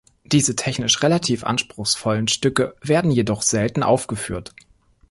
Diese technisch relativ anspruchsvollen Stücke werden jedoch selten aufgeführt.